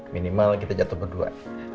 minimal kita jatuh berdua